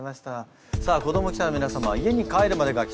さあ子ども記者の皆様は家に帰るまでが記者会見です。